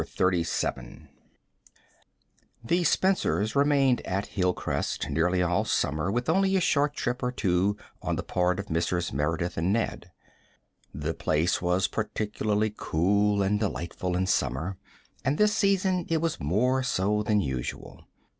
CHAPTER XXXVII The Spencers remained at Hilcrest nearly all summer with only a short trip or two on the part of Mrs. Merideth and Ned. The place was particularly cool and delightful in summer, and this season it was more so than usual.